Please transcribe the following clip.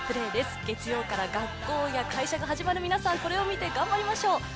月曜から学校や会社が始まる皆さんこれを見て頑張りましょう。